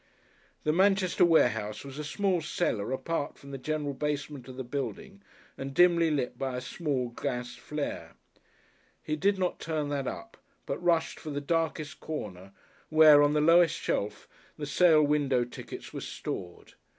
The Manchester warehouse was a small cellar apart from the general basement of the building and dimly lit by a small gas flare. He did not turn that up, but rushed for the darkest corner, where on the lowest shelf the sale window tickets were stored.